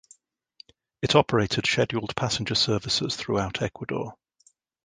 It operated scheduled passenger services throughout Ecuador.